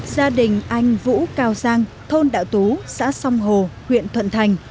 gia đình anh vũ cao giang thôn đạo tú xã song hồ huyện thuận thành